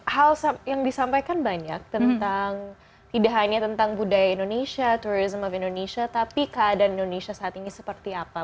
hal yang disampaikan banyak tentang tidak hanya tentang budaya indonesia tourism of indonesia tapi keadaan indonesia saat ini seperti apa